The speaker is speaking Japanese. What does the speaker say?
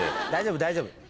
大丈夫大丈夫。